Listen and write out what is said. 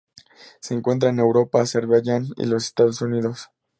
Se encuentra en Europa, Azerbaiyán y en los Estados Unidos.